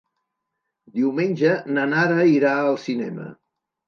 Diumenge na Nara irà al cinema.